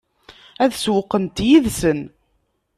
Ad sewweqent yid-sen?